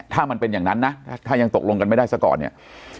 ถ้ามันเป็นอย่างนั้นนะถ้ายังตกลงกันไม่ได้ซะก่อนเนี่ย